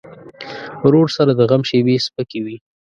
ورور سره د غم شیبې سپکې وي.